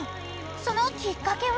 ［そのきっかけは？］